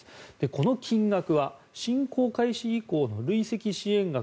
この金額は侵攻開始以降の累積支援額